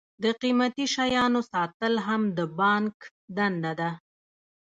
د قیمتي شیانو ساتل هم د بانک دنده ده.